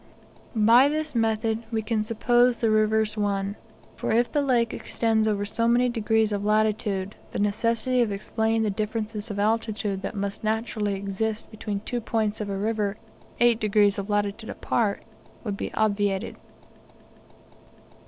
By this method we can suppose the rivers one; for if the lake extends over so many degrees of latitude, the necessity of explaining the differences of altitude that must naturally exist between two points of a river 8 degrees of latitude apart, would be obviated.